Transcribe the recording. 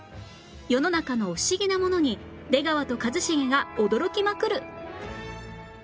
世の中の不思議なものに出川と一茂が驚きまくる！